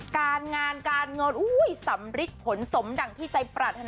การงานการเงินสำริดผลสมดั่งที่ใจปรารถนา